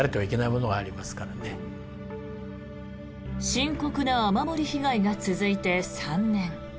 深刻な雨漏り被害が続いて３年。